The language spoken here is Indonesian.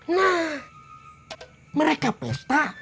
nah mereka pesta